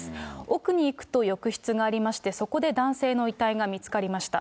奥に行くと浴室がありまして、そこで男性の遺体が見つかりました。